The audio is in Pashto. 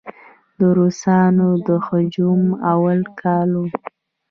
د روسانو د هجوم اول کال و.